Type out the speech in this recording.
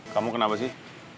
kamu kenapa sih